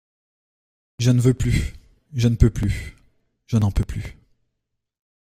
Je ne veux plus, je ne peux plus, je n’en peux plus.